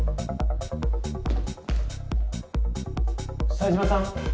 冴島さん？